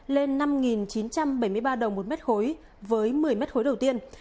lên năm chín trăm bảy mươi ba đồng một mét khối với một mươi mét khối đầu tiên